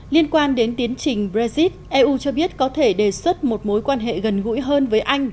liên quan đến tiến trình brexit eu cho biết có thể đề xuất một mối quan hệ gần gũi hơn với anh